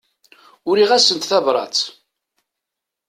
Uriɣ-asent tabrat.